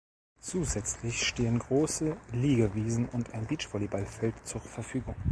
Zusätzlich stehen große Liegewiesen und ein Beachvolleyballfeld zur Verfügung.